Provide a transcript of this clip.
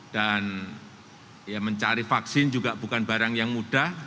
dan mencari vaksin juga bukan barang yang mudah